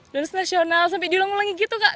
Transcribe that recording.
lulus nasional sampai dileng lengi gitu kak